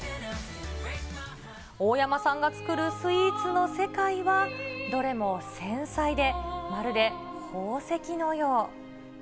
大山さんが作るスイーツの世界は、どれも繊細で、まるで宝石のよう。